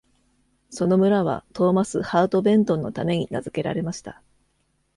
その村は、トーマス・ハート・ベントンのために名づけられました。